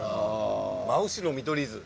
真後ろ見取り図。